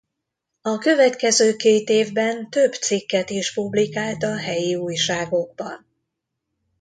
A következő két évben több cikket is publikált a helyi újságokban.